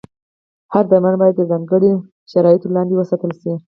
هر درمل باید د ځانګړو شرایطو لاندې وساتل شي.